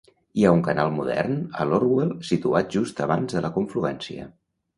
Hi ha un canal modern a l'Orwell situat just abans de la confluència.